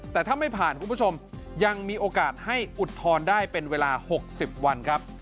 แต่ถ้าไม่ผ่านคุณผู้ชมยังมีโอกาสให้อุทธรณ์ได้เป็นเวลา๖๐วันครับ